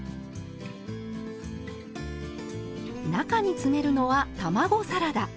中に詰めるのは卵サラダ。